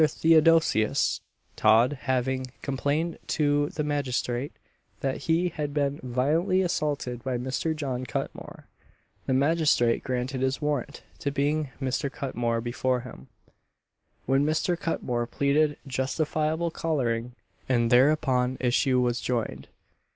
Theodosius Todd having complained to the magistrate that he had been violently assaulted by Mr. John Cutmore, the magistrate granted his warrant to bring Mr. Cutmore before him, when Mr. Cutmore pleaded justifiable collaring, and thereupon issue was joined.